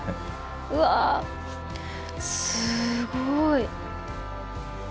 わすごい。